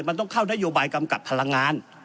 มันต้องเข้านโยบายกำกับพลังงาน